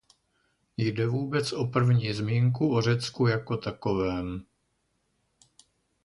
Jde o vůbec první zmínku o Řecku jako takovém.